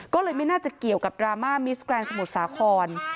ก็เลยไม่น่าจะเกี่ยวกับดราม่ามิสแกรนดสมุทรสาคร